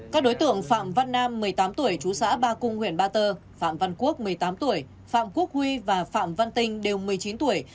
các đối tượng phạm văn nam một mươi tám tuổi chú xã ba cung huyện ba tơ phạm văn quốc một mươi tám tuổi phạm quốc huy và phạm văn tinh đều một mươi chín tuổi